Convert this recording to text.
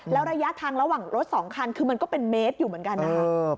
แล้วระยะทางระหว่างรถ๒คันคือมันก็เป็นเมตรอยู่เหมือนกันนะคะ